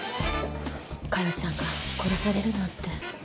加代ちゃんが殺されるなんて。